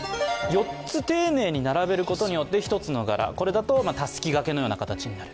４つ丁寧に並べることによって一つの柄、これだとたすき掛けのようになる。